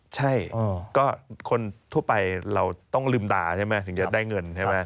ใช่ก็คนทั่วไปเราต้องลืมตาใช่ไหมถึงจะได้เงินใช่ไหม